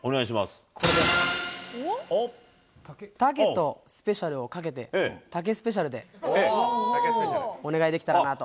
タケとスペシャルをかけて、タケスペシャルでお願いできたらなと。